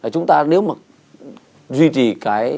chúng ta nếu mà duy trì cái